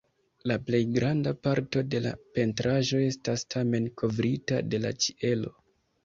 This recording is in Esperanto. La plej granda parto de la pentraĵo estas tamen kovrita de la ĉielo.